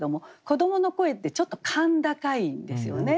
子どもの声ってちょっと甲高いんですよね。